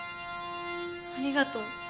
ありがとう。